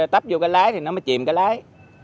tắp vô cái lái thì nó mới chìm cái lái